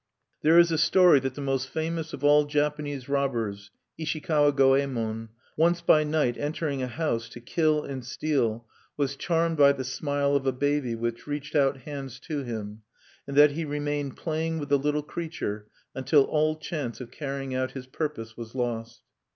There is a story that the most famous of all Japanese robbers, Ishikawa Goemon, once by night entering a house to kill and steal, was charmed by the smile of a baby which reached out hands to him, and that he remained playing with the little creature until all chance of carrying out his purpose was lost.